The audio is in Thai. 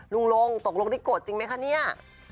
ลุงลงตกลงได้โกรธจริงไหมคะเนี่ย